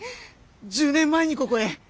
１０年前にここへ。